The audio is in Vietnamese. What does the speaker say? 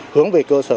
hướng về cơ sở